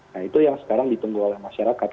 nah itu yang sekarang ditunggu oleh masyarakat